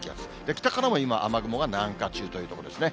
北からも今、雨雲が南下中というところですね。